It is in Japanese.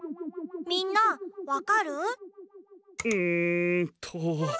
みんなわかる？んと。